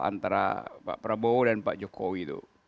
antara pak prabowo dan pak jokowi itu